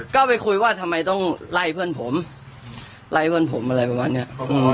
ก็ไปคุยว่าทำไมต้องไล่เพื่อนผมไล่เพื่อนผมอะไรประมาณเนี้ย